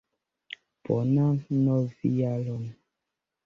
Bonan novjaron!